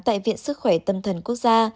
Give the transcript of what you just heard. tại viện sức khỏe tâm thần quốc gia